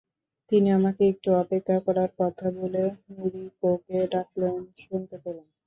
তিনি আমাকে একটু অপেক্ষা করার কথা বলে নোরিকোকে ডাকলেন শুনতে পেলাম।